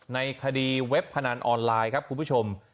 ในคดีเว็บพนันออนไลน์ครับคุณผู้ชม